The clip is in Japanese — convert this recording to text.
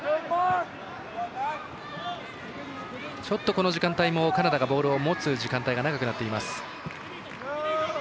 この時間帯もカナダがボールを持つ時間が長くなっています。